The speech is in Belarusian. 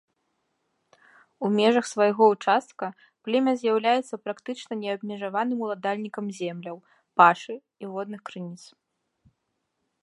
У межах свайго ўчастка племя з'яўляецца практычна неабмежаваным уладальнікам земляў, пашы і водных крыніц.